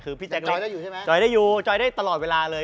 แต่จอยได้อยู่ใช่ไหมจอยได้อยู่จอยได้อยู่ตลอดเวลาเลย